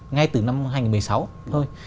ngay từ năm hai nghìn một mươi sáu thôi